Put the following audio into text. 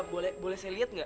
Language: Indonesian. boleh boleh saya liat gak